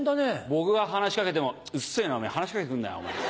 僕が話しかけても「うっせぇなおめぇ話しかけてくんなよ」。